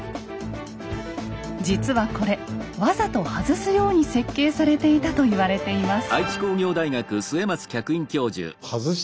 実はこれわざと外すように設計されていたと言われています。